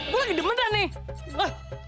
gue lagi demen dah nih